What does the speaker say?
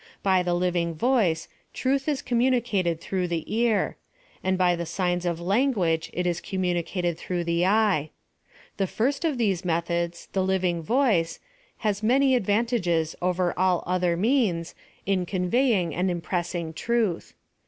By the living voice, truth is com muni PLAN OF SALVATION. 235 cated throiigh the ear ; and by the signs of language it is communicated through the eye. The first of these methods — the living voice — has many ad vantages over all other means, in conveying and impressing truth.